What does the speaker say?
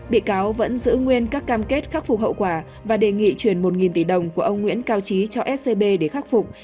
bị cáo vẫn giữ nguyên các cam kết khắc phục hậu quả và đề nghị truyền một tỷ đồng của ông nguyễn cao trí cho scb để khắc phục